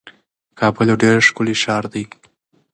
کابل یو ډیر ښکلی ښار دی.